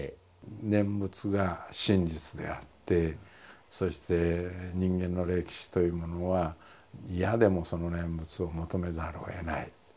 念仏が真実であってそして人間の歴史というものは嫌でもその念仏を求めざるをえない。